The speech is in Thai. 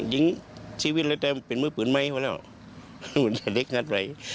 จริงชีวิตแหละแต่เป็นมือปืนไหมเวลามันจะเล็กงัดไป